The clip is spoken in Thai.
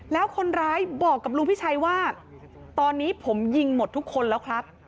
แล้วคนร้ายบอกกับลุงพิชัยว่าตอนนี้ผมยิงหมดทุกคนแล้วครับ